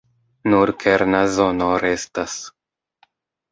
Nur kerna zono restas.